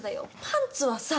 パンツはさ。